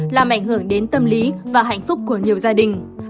làm ảnh hưởng đến tâm lý và hạnh phúc của nhiều gia đình